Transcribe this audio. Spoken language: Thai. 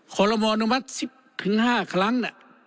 โคลโลมอนุมัติ๑๐๕ครั้ง